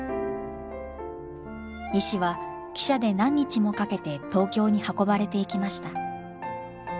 石は汽車で何日もかけて東京に運ばれていきました。